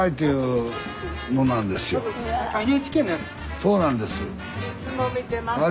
そうなんです。